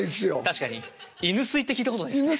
確かに犬吸いって聞いたことないですね。